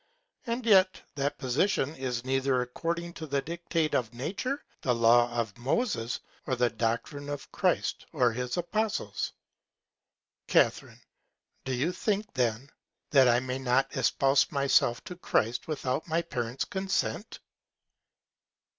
And yet that Position is neither according to the Dictate of Nature, the Law of Moses, or the Doctrine of Christ or his Apostles. Ca. Do you think then, that I may not espouse myself to Christ without my Parents Consent?